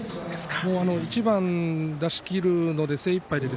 一番出し切るので精いっぱいで。